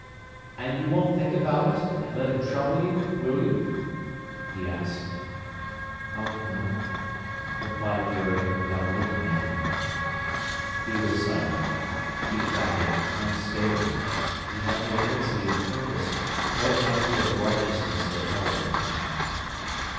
"And you won't think about it, and let it trouble you, will you?" he asked. "Oh no," replied Miriam, without looking at him. He was silent. She thought him unstable. He had no fixity of purpose, no anchor of righteousness that held him.